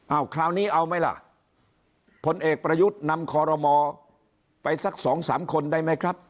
เอาคราวนี้เอาไหมล่ะผลเอกประยุทธ์นำคอรมอไปสักสองสามคนได้ไหมครับ